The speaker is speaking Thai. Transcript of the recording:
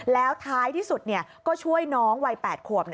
แล้วท้ายที่สุดก็ช่วยน้องวัย๘ขวบ